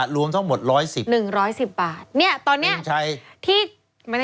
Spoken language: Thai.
ก็ต้องเสียเงินใช่มั้ย